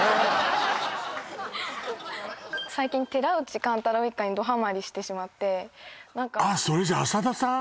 最近「寺内貫太郎一家」にどハマりしてしまってそれじゃ浅田さん！？